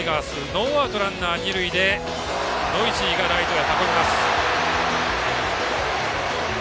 ノーアウト、ランナー、二塁でノイジーがライトへ運びます。